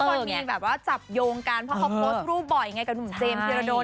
มันมีแบบว่าจับโยงกันเพราะเขาโพสต์รูปบ่อยไงกับหนุ่มเจมส์ธิรดล